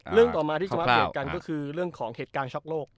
ต่อมาที่จะมาอัปเดตกันก็คือเรื่องของเหตุการณ์ช็อกโลก